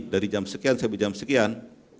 dari jam sekian sampai jam sekian